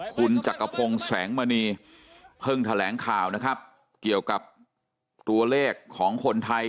คุณจักรพงศ์แสงมณีเพิ่งแถลงข่าวนะครับเกี่ยวกับตัวเลขของคนไทย